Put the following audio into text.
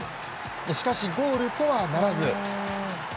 しかしゴールとはならず。